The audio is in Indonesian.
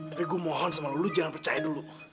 tapi gue mohon sama lo lo jangan percaya dulu